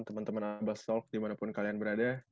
teman teman abastalk dimanapun kalian berada